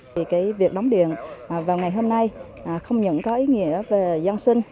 vì việc đóng điện vào ngày hôm nay không những có ý nghĩa về dân sinh